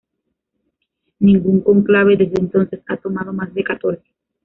Ningún cónclave desde entonces ha tomado más de catorce.